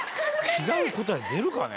違う答え出るかね？